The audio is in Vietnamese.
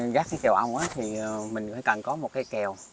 gác cái kèo ong thì mình cần có một cái kèo